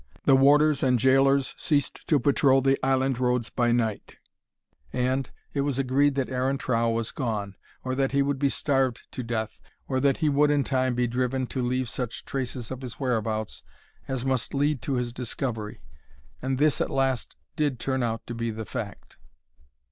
The warders and gaolers ceased to patrol the island roads by night, and it was agreed that Aaron Trow was gone, or that he would be starved to death, or that he would in time be driven to leave such traces of his whereabouts as must lead to his discovery; and this at last did turn out to be the fact.